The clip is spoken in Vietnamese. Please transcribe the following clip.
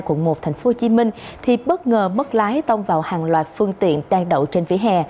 quận một tp hcm thì bất ngờ mất lái tông vào hàng loạt phương tiện đang đậu trên vỉa hè